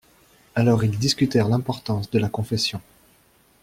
Alors ils discutèrent l'importance de la confession.